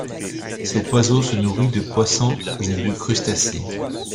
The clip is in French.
Cet oiseau se nourrit de poissons et de crustacés.